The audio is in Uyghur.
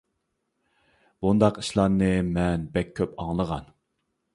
بۇنداق ئىشلارنى مەن بەك كۆپ ئاڭلىغان.